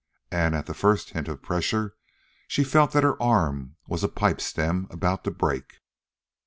And at the first hint of pressure she felt that her arm was a pipe stem about to break.